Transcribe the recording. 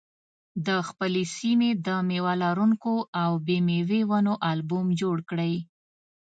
د خپلې سیمې د مېوه لرونکو او بې مېوې ونو البوم جوړ کړئ.